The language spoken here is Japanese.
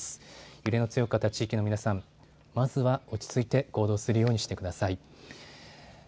揺れの強かった地域の皆さん、まずは落ち着いて行動するようにしてください。